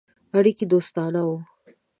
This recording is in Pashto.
اړیکي دوستانه وه.